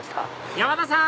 山田さん